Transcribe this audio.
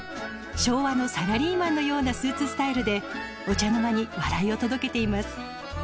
昭和のサラリーマンのようなスーツスタイルでお茶の間に笑いを届けています。